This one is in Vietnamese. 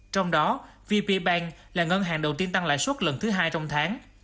trong đó vpbank là ngân hàng đầu tiên tăng lãi suất lần thứ hai trong tháng